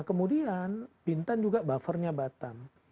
kemudian bintan juga buffernya batam